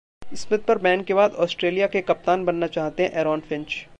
Smith पर ban के बाद ऑस्ट्रेलिया के कप्तान बनना चाहते हैं एरॉन फिंच